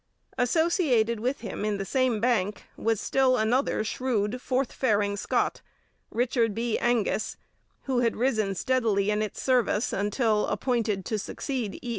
Associated with him in the same bank was still another shrewd, forth faring Scot, Richard B. Angus, who had risen steadily in its service until appointed to succeed E.